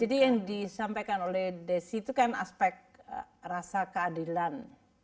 jadi yang disampaikan oleh desy itu kan aspek rasa keadilan